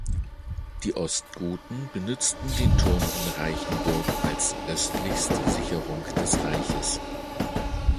Die Ostgoten benützten den Turm in Reichenburg als östlichste Sicherung des Reiches.